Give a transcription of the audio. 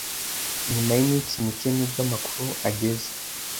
Nyuma yiminsi mike nibwo amakuru ageze.